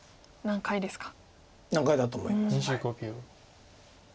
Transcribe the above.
難解だと思います。